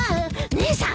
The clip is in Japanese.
姉さん